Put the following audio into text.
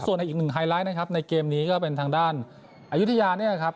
ส่วนอีกหนึ่งไฮไลท์นะครับในเกมนี้ก็เป็นทางด้านอายุทยาเนี่ยครับ